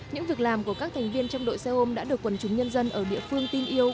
những việc làm của các thành viên trong đội xe ôm đã được quần chúng nhân dân ở địa phương tin yêu